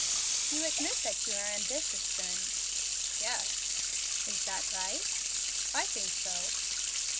"You admit that you are ambitious, then." "Yes." "Is that right?" "I think so."